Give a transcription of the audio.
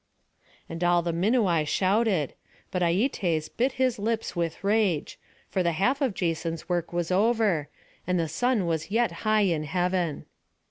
And all the Minuai shouted; but Aietes bit his lips with rage; for the half of Jason's work was over, and the sun was yet high in heaven.